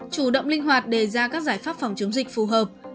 chủ động linh hoạt đề ra các giải pháp phòng chống dịch phù hợp